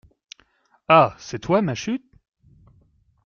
Ah ! c’est toi, Machut ?